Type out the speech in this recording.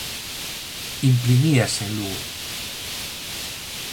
Imprimíase en Lugo.